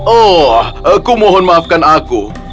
oh aku mohon maafkan aku